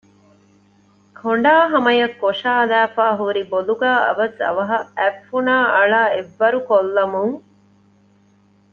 ކޮނޑާ ހަމަޔަށް ކޮށާލައިފައި ހުރި ބޮލުގައި އަވަސް އަވަހަށް އަތްފުނާއަޅާ އެއްވަރު ކޮށްލަމުން